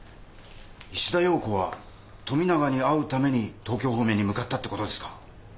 石田洋子は富永に会うために東京方面に向かったってことですか！？